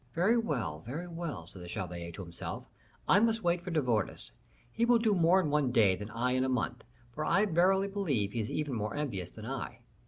"Very well, very well," said the chevalier to himself, "I must wait for De Wardes; he will do more in one day than I in a month; for I verily believe he is even more envious than I.